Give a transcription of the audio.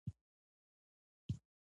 هیلۍ له اوبو سره لوړه اړیکه لري